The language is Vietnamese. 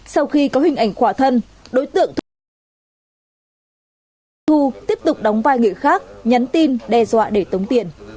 sau khi có hình ảnh khỏa thân đối tượng thuê thu tiếp tục đóng vai người khác nhắn tin đe dọa để tống tiền